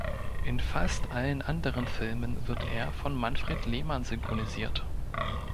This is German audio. In fast allen anderen Filmen wird er von Manfred Lehmann synchronisiert.